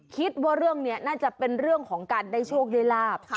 คิดว่าเรื่องนี้น่าจะเป็นเรื่องของการได้โชคได้ลาบ